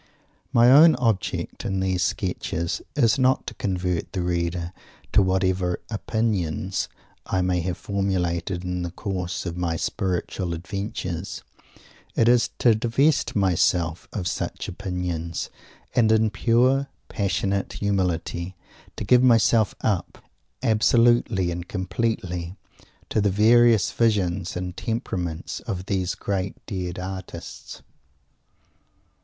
My own object in these sketches is not to convert the reader to whatever "opinions" I may have formulated in the course of my spiritual adventures; it is to divest myself of such "opinions," and in pure, passionate humility to give myself up, absolutely and completely, to the various visions and temperaments of these great dead artists.